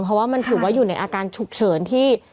เพราะว่ามันถือว่าอยู่ในอาการฉุกเฉินที่